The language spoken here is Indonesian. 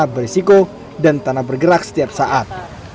berisiko dan tanah bergerak setiap saat